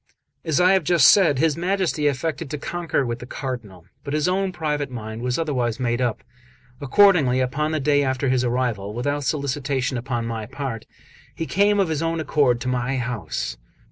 XXXIX AS I have just said, his Majesty affected to concur with the Cardinal, but his own private mind was otherwise made up. Accordingly, upon the day after his arrival, without solicitation upon my part, he came of his own accord to my house.